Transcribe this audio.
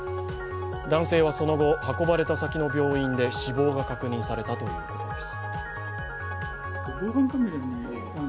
男性はその後、運ばれた先の病院で死亡が確認されたということです。